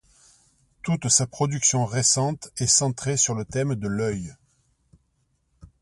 Toute sa production récente est centrée sur le thème de l'œil.